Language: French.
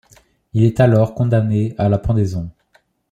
Il est alors condamné à la pendaison.